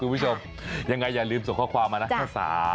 คุณผู้ชมยังไงอย่าลืมส่งข้อความมานะ